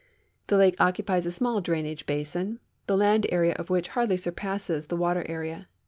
The lake occupies a small drainage basin, the land area of which hardly surpasses the water area.